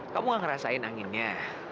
kamu gak ngerasain anginnya